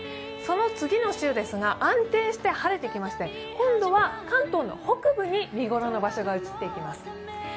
その次の週ですが、安定して晴れてきまして今度は、関東の北部に見ごろの場所が移っていきます。